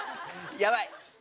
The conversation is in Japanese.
やばい！